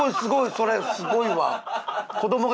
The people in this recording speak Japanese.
それすごいわ。